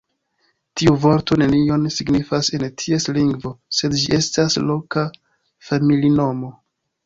Tiu vorto nenion signifas en ties lingvo, sed ĝi estas loka familinomo.